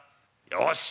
よし。